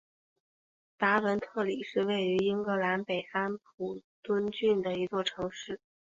达文特里是位于英格兰北安普敦郡的一座城市。